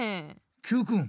Ｑくん